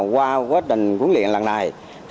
qua quá trình quân liện lần này